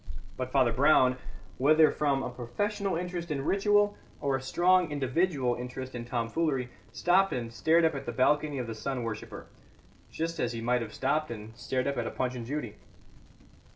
But Father Brown, whether from a professional interest in ritual or a strong individual interest in tomfoolery, stopped and stared up at the balcony of the sun worshipper, just as he might have stopped and stared up at a Punch and Judy.